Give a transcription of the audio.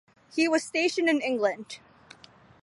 He was stationed in England.